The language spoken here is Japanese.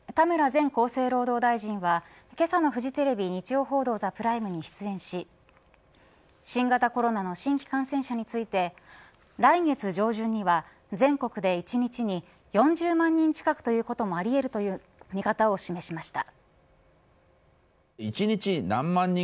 前厚生労働大臣はけさのフジテレビ日曜報道ＴＨＥＰＲＩＭＥに出演し新型コロナの新規感染者について来月上旬には全国で一日に４０万人近くということもありえるという見方を示しました。